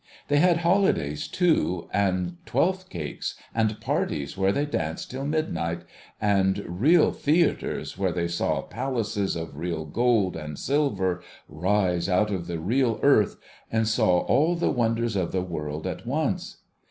They had holidays too, and Twelfth cakes, and parties where they danced till midnight, and real Theatres where they saw jjalaces of real gold and silver rise out of the real earth, and saw all the wonders of the world at once.